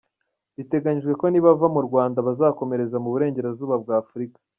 Biteganijwe ko nibava mu Rwanda bazakomereza mu Burengerazuba bwa Afurika.